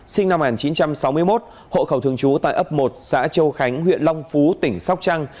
sinh năm một nghìn chín trăm sáu mươi một hộ khẩu thường trú tại ấp một xã châu khánh huyện long phú tỉnh sóc trăng